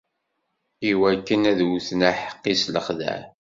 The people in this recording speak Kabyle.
Iwakken ad wten aḥeqqi s lexdeɛ.